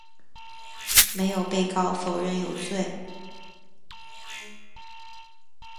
没有被告否认有罪。